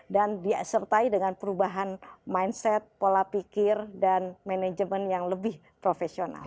dan disertai dengan perubahan mindset pola pikir dan manajemen yang lebih profesional